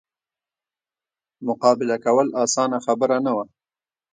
مقابله کول اسانه خبره نه وه.